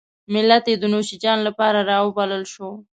ملت یې د نوشیجان لپاره راوبلل شو.